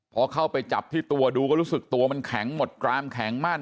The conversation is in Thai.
พอเข้าไปจับที่ตัวดูก็รู้สึกตัวมันแข็งหมดกรามแข็งมั่น